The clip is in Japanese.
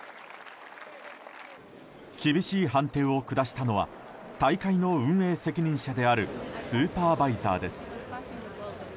厳しい判定を下したのは大会の運営責任者であるスーパーバイザーです。